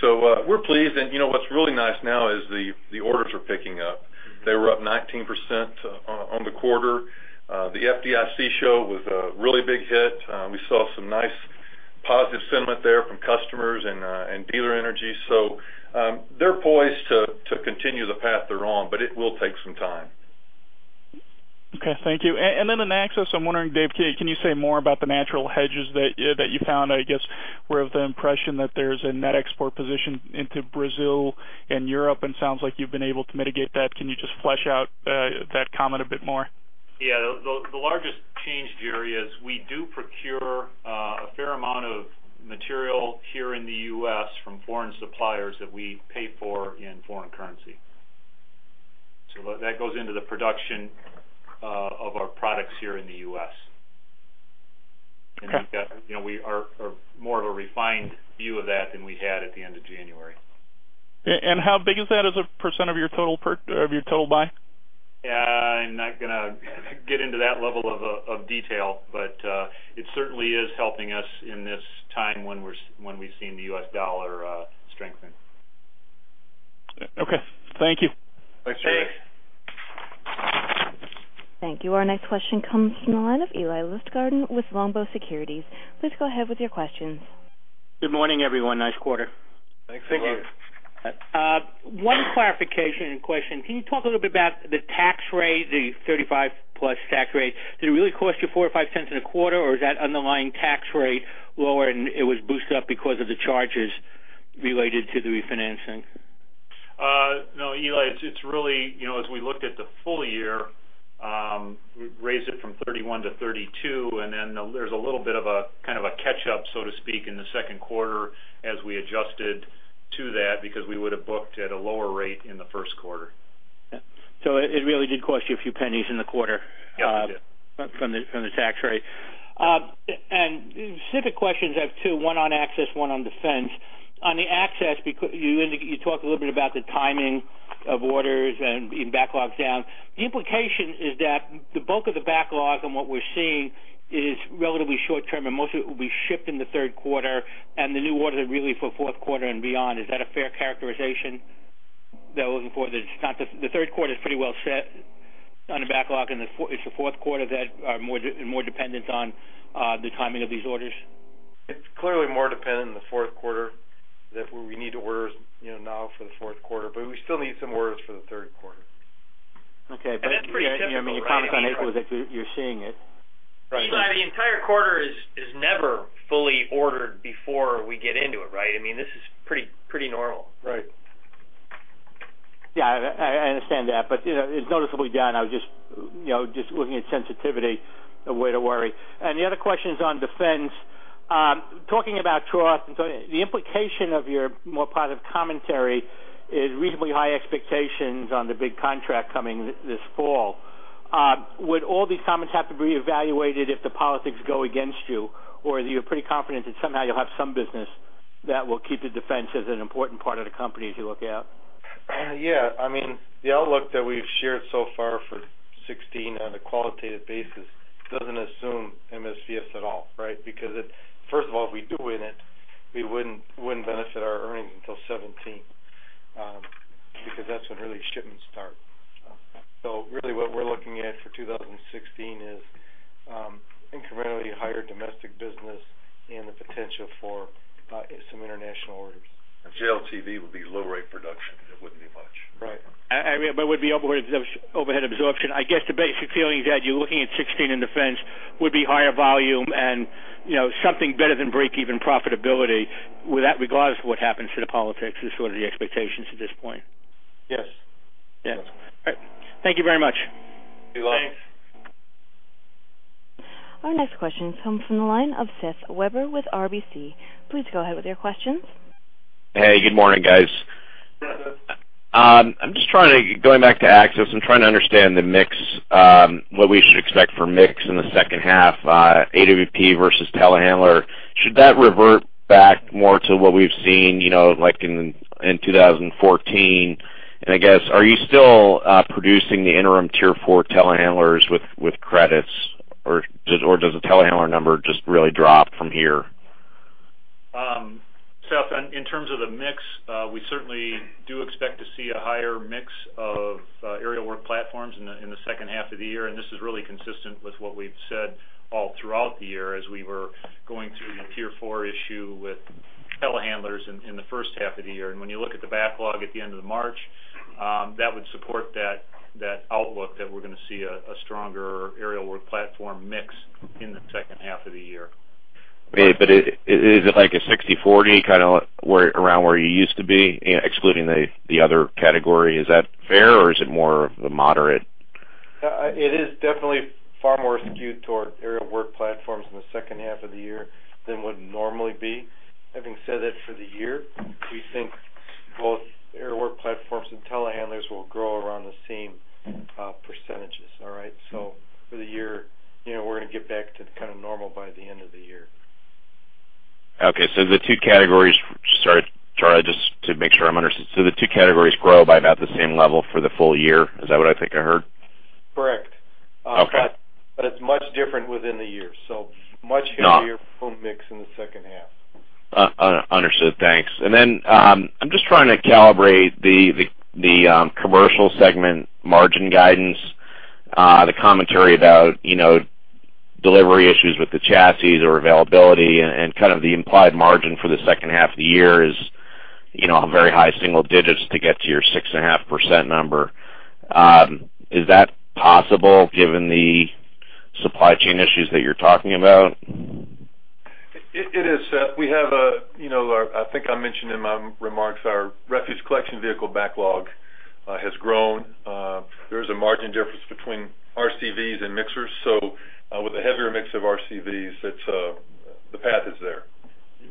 So we're pleased. And you know what's really nice now is the orders are picking up. They were up 19% on the quarter. The FDIC show was a really big hit. We saw some nice positive sentiment there from customers and dealer energy. So they're poised to continue the path they're on, but it will take some time. Okay, thank you. And then in Access, I'm wondering, Dave Sagehorn, can you say more about the natural hedges that you found? I guess we're of the impression that there's a net export position into Brazil in Europe and sounds like you've been able to mitigate that. Can you just flesh out that comment a bit more? Yes. The largest change, Jerry Revich, is we do procure a fair amount of material here in the U.S. from foreign suppliers that we pay for in foreign currency. So that goes into the production of our products. Here in the U.S. we are more of a refined view of that than we had at the end of January. How big is that as a % of your total buy? I'm not going to get into that level of detail, but it certainly is helping us in this time when we've seen the U.S. dollar strengthen. Okay, thank you. Thank you. Our next question comes from the line of Eli Lustgarten with Longbow Securities. Please go ahead with your questions. Good morning, everyone. Nice quarter. Thanks. One clarification question: Can you talk a little bit about the tax rate? The 35%+ tax rate, did it really cost you $0.04 or $0.05 in a quarter or is that underlying tax rate lower and it was boosted up because of the charges related to the refinancing? No, Eli Lustgarten, it's really, you know, as we looked at the full year, raised it from 31%-32% and then there's a little bit of a, kind of a catch up, so to speak, in the Q2 as we adjusted to that because we would have booked at a lower rate in the Q1. So it really did cost you a few pennies in the quarter from the tax rate. And specific questions I have two. One on access, one on Defense. On the access, you talked a little bit about the timing of orders and backlogs down. The implication is that the bulk of the backlog and what we're seeing is relatively short term and most of it will be shipped in the Q3. And the new orders are really for Q4 and beyond. Is that a fair characterization they're looking for? The Q3 is pretty well set on the backlog and it's the Q4 that are more dependent on the timing of these orders. It's clearly more dependent on the Q4 that we need orders now for the Q4, but we still need some orders for the Q3. Okay, but I mean you promised on April is that you're seeing it, Eli Lustgarten, the entire quarter is never fully ordered before we get into it. Right. I mean this is pretty normal, right? Yeah, I understand that, but it's noticeably down. I was just looking at sensitivity, a way to worry. And the other questions on Defense, talking about troughs. The implication of your more positive commentary is reasonably high expectations on the big contract coming this fall. Would all these comments have to be evaluated if the politics go against you, or are you pretty confident that somehow you'll have some business that will keep the Defense as an important part of the company as you look out? Yeah, I mean the outlook that we've shared so far for 2016 on a qualitative basis, assume MSVS at all. Right. Because first of all, if we do win it, we wouldn't benefit our earnings until 2017 because that's when really shipments start. So really what we're looking at for 2016 is incrementally higher domestic business and the potential for some international orders. JLTV would be low rate production. It wouldn't be much. Right. But it would be overhead absorption. I guess the basic feeling is that you're looking at 2016 in Defense would be higher volume and you know, something better than breakeven profitability with that, regardless of what happens to the politics is sort of the expectations at this point. Yes, yes. Thank you very much. Thanks. Our next question comes from the line of Seth Weber with RBC. Please go ahead with your questions. Hey, good morning, guys. I'm just trying to go back to Access. I'm trying to understand the mix, what we should expect for mix in the second half. AWP versus telehandler. Should that revert back more to what we've seen, you know, like in 2014? And I guess are you still producing the interim Tier 4 telehandlers with credits, or does the telehandler number just really drop from here? Seth Weber, in terms of the mix, we certainly do expect to see a higher mix of aerial work platforms in the second half of the year. This is really consistent with what we've said all throughout the year as we were going through the Tier 4 issue with telehandlers in the first half of the year. When you look at the backlog at the end of March, that would support that outlook that we're going to see a stronger aerial work platform mix in the second half of the year. But is it like a 60/40 kind of around where you used to be, excluding the other category? Is that fair or is it more of the moderate? It is definitely far more skewed toward aerial work platforms in the second half of the year than would normally be. Having said that, for the year, we think both aerial work platforms and telehandlers will grow around the same percentages. All right, so for the year, you know, we're going to get back to kind of normal by the end of the year. Okay, so the two categories. Sorry, Charlie Szews, just to make sure I'm understood. So the two categories grow by about the same level for the full year. Is that what I think I heard? Correct. But it's much different within the year. So much healthier home mix in the second half. Understood, thanks. And then I'm just trying to calibrate the commercial segment margin guidance, the commentary about delivery issues with the chassis or availability and kind of the implied margin for the second half of the year is very high-single-digits to get to your 6.5% number. Is that possible given the supply chain issues that you're talking about? It is set. We have, I think I mentioned in my remarks, our refuse collection vehicle backlog has grown. There is a margin difference between RCVs and mixers. So with a heavier mix of RCVs, that the path is there.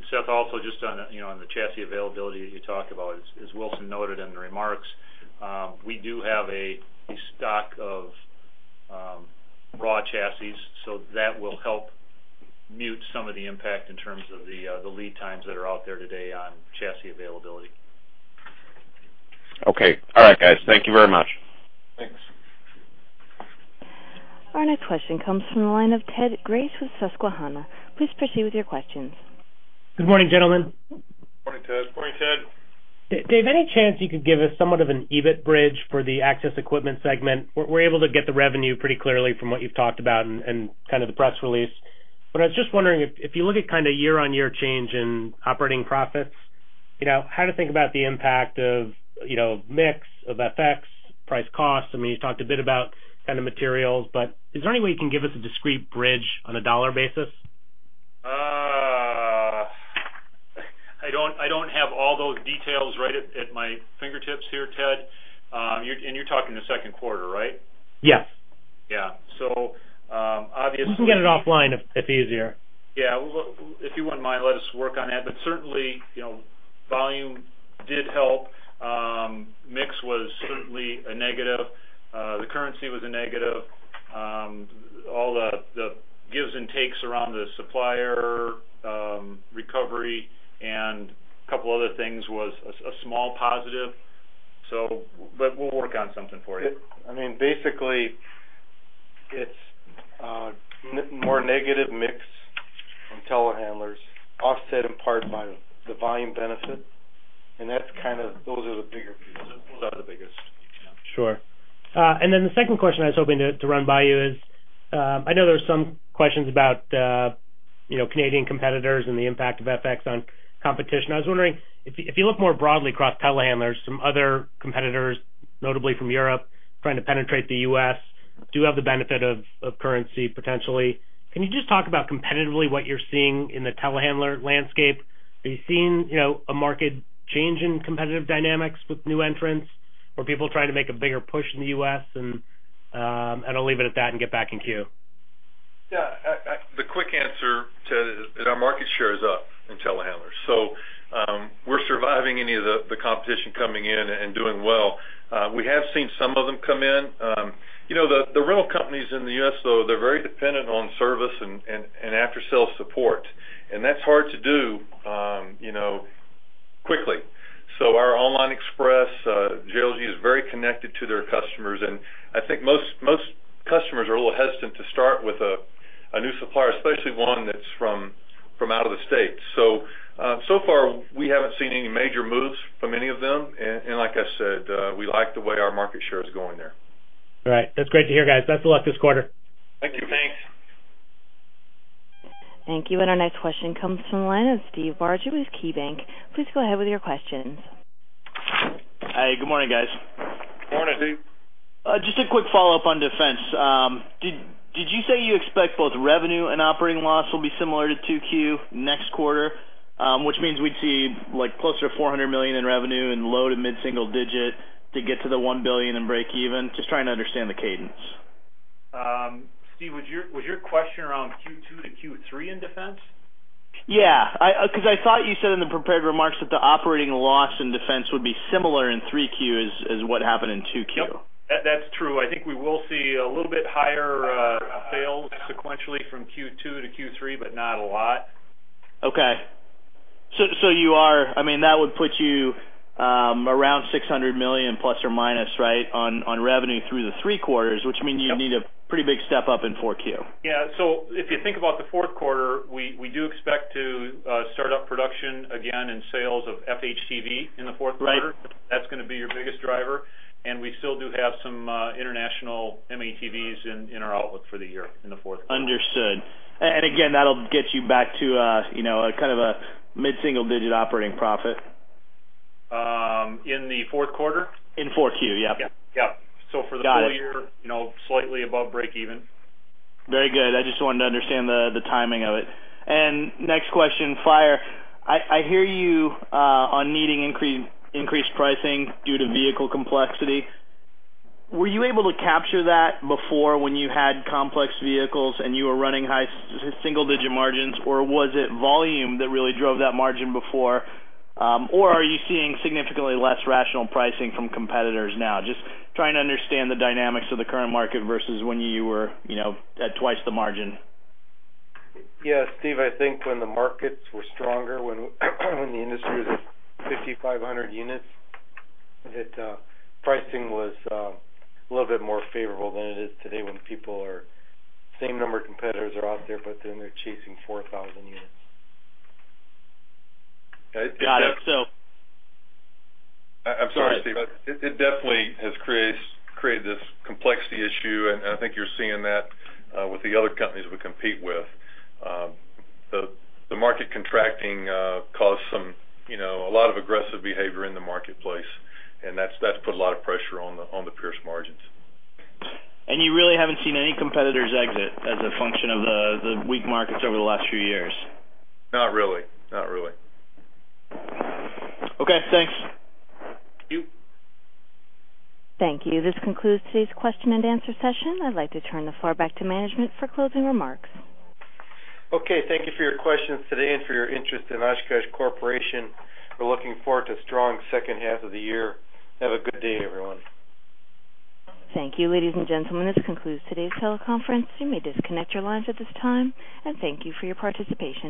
Seth Weber, also, just on the chassis availability that you talked about, as Wilson Jones noted in the remarks, we do have a stock of raw chassis. So that will help mute some of the impact in terms of the lead times that are out there today on chassis availability. Okay. All right, guys, thank you very much. Thanks. Our next question comes from the line of Ted Grace with Susquehanna. Please proceed with your questions. Good morning, gentlemen. Good morning, Ted Grace. Morning, Ted Grace. Dave Sagehorn, any chance you could give us somewhat of an EBIT bridge for the access equipment segment? We're able to get the revenue pretty clearly from what you've talked about and kind of the press release. But I was just wondering if you look at kind of year-on-year change in operating profits, how to think about the impact of mix of FX price, cost? I mean, you talked a bit about kind of materials, but is there any way you can give us a discrete bridge on a dollar basis? I don't have all those details right at my fingertips here, Ted Grace. You're talking the Q2, right? Yes. Yeah. So obviously you can get it offline if easier. Yeah. If you wouldn't mind, let us work on that. But certainly volume did help. Mix was certainly a negative. The currency was a negative. All the gives and takes around the supplier recovery and a couple other things was a small positive. So. We'll work on something for you. I mean, basically it's more negative mix from telehandlers offset in part by the volume benefit. And that's kind of. Those are the bigger. Sure. And then the second question I was hoping to run by you is I know there are some questions about Canadian competitors and the impact of FX on competition. I was wondering if you look more broadly across telehandlers, some other competitors, notably from Europe trying to penetrate the U.S. do have the benefit of currency potentially. Can you just talk about competitively what you're seeing in the telehandler landscape? Are you seeing a market change in competitive dynamics with new entrants or people trying to make a bigger push in the U.S.? And I'll leave it at that and get back in queue. Yes. The quick answer, Ted Grace, is our market share is up in telehandler, so we're surviving any of the competition coming in and doing well. We have seen some of them come in. You know, the rental companies in the U.S. though, they're very dependent on service and after sales support and that's hard to do, you know, quickly. So our Online Express JLG is very connected to their customers and I think most customers are a little hesitant to start with a new supplier, especially one that's from out of the state. So so far we haven't seen any major moves from any of them. And like I said, we like the way our market share is going there. All right, that's great to hear, guys. Best of luck this quarter. Thank you. Thanks. Thank you. And our next question comes from the line of Steve Barger with KeyBanc. Please go ahead with your questions. Hi. Good morning, guys. Good morning, Steve Barger. Just a quick follow up on Defense. Did you say you expect both revenue and operating loss will be similar to 2Q next quarter? Which means we'd see like closer to $400 million in revenue in low to mid single digit to get to the $1 billion and breakeven. Just trying to understand the cadence. Steve Barger, was your question around Q2-Q3 in Defense? Yeah, because I thought you said in the prepared remarks that the operating loss in Defense would be similar in 3Q as what happened in 2Q. That's true. I think we will see a little bit higher sales sequentially from Q2-Q3, but not a lot. Okay, so you are, I mean that would put you around $600 million ± right on revenue through the three quarters, which means you need a pretty big step up in 4Q. Yeah. So if you think about the Q4, we do expect to start up production again in sales of FHTV in the Q4. That's going to be your biggest driver. And we still do have some international M-ATVs in our outlook for the year in the Q4. Understood. Again, that'll get you back to kind of a mid-single-digit operating. Profit in the Q4 in 4Q. Yep, yep. So for the full year, slightly above breakeven. Very good. I just wanted to understand the timing of it. Next question, Fire, I hear you on needing increased pricing due to vehicle complexity. Were you able to capture that before when you had complex vehicles and you were running high-single-digit margins or was it volume that really drove that margin before? Or are you seeing significantly less rational pricing from competitors now? Just trying to understand the dynamics of the current market versus when you were at twice the margin? Yes, Steve Barger, I think when the markets were stronger, when the industry was 5,500 units, that pricing was a little bit more favorable than it is today when the same number of competitors are out there, but then they're chasing 4,000 units. Got it. I'm sorry, Steve Barger. It definitely has created this complexity issue, and I think you're seeing that with the other companies we compete with in the market. Consolidation caused some. A lot of aggressive behavior in the marketplace, and that's put a lot of pressure on the Pierce margins. You really haven't seen any competitors. Exit as a function of the weak. Markets over the last few years? Not really. Not really. Okay, thanks. Thank you. This concludes today's Q&A session. I'd like to turn the floor back to management for closing remarks. Okay. Thank you for your questions today and for your interest in Oshkosh Corporation. We're looking forward to a strong second half of the year. Have a good day, everyone. Thank you. Ladies and gentlemen, this concludes today's teleconference. You may disconnect your lines at this time and thank you for your participation.